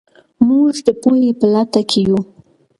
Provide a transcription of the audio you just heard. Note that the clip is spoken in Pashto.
موږ د پوهې په لټه کې یو.